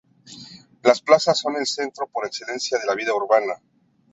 Las plazas son el centro por excelencia de la vida urbana.